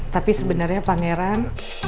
tapi sebenarnya pangeran